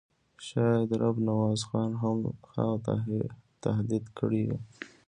شاید رب نواز خان هغه تهدید کړی وي.